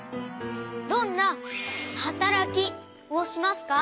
どんなはたらきをしますか？